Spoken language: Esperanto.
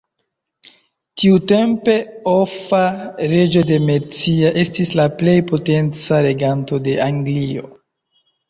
Tiutempe Offa, reĝo de Mercia, estis la plej potenca reganto de Anglio.